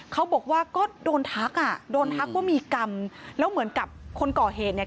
เขาบอกว่าก็โดนทักอ่ะโดนทักว่ามีกรรมแล้วเหมือนกับคนก่อเหตุเนี่ย